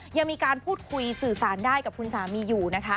ยังมีการพูดคุยสื่อสารได้กับคุณสามีอยู่นะคะ